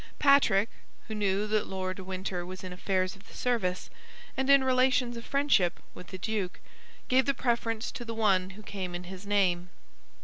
Patrick, who knew Lord de Winter was in affairs of the service, and in relations of friendship with the duke, gave the preference to the one who came in his name.